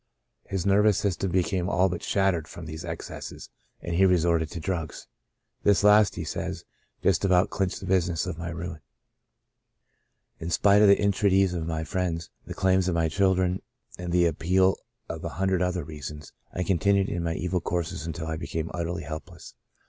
His nervous system became all but shattered from these excesses, and he re sorted to drugs. *' This last," he says, "just about clinched the business of my ruin. In spite of the entreaties of friends, the claims of my children, and the appeal of a hundred other reasons, I continued in my evil courses until I became utterly helpless.